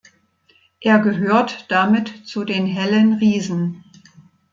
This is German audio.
Er gehört damit zu den hellen Riesen.